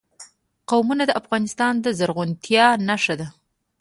قومونه د افغانستان د زرغونتیا نښه ده.